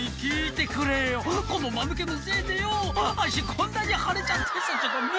こんなに腫れちゃってさちょっと見て」